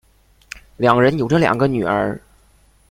两人有着两个女儿。